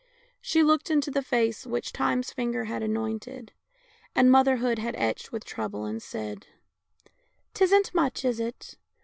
She looked into the face which Time's finger had anointed, and motherhood had etched with trouble, and said :" 'Tisn't much, is it?